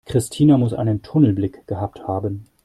Christina muss einen Tunnelblick gehabt haben.